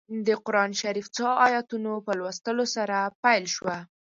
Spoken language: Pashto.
د قران شریف څو ایتونو په لوستلو سره پیل شوه.